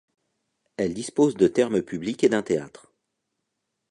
Elle dispose de thermes publics et d'un théâtre.